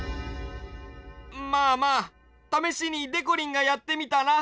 まあまあためしにでこりんがやってみたら？